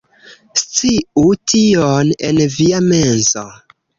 Sciu tion en via menso